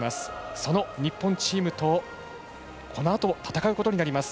その日本チームと、このあと戦うことになります。